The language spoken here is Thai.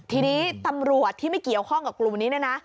ทีนี้ตำรวจที่ไม่เกี่ยวข้องกับกลุ่มนี้เนี่ยนะ